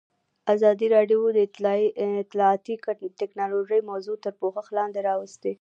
ازادي راډیو د اطلاعاتی تکنالوژي موضوع تر پوښښ لاندې راوستې.